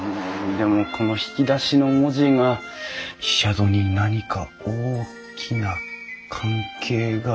でもこの引き出しの文字がイシャドに何か大きな関係がある気がしてならない。